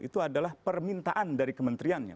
itu adalah permintaan dari kementeriannya